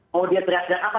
mau dia teriak teriak apa